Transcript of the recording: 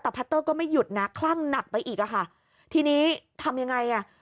แต่พัตเตอร์ก็ไม่หยุดนะคลั่งหนักไปอีกอ่ะค่ะทีนี้ทำยังไงอ่ะ